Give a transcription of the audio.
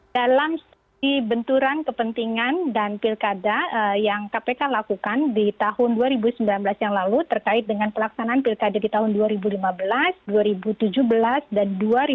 dalam benturan kepentingan dan pilkada yang kpk lakukan di tahun dua ribu sembilan belas yang lalu terkait dengan pelaksanaan pilkada di tahun dua ribu lima belas dua ribu tujuh belas dan dua ribu delapan belas